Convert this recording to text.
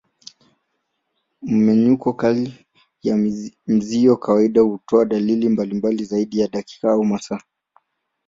Mmenyuko kali ya mzio kawaida hutoa dalili mbalimbali zaidi ya dakika au masaa.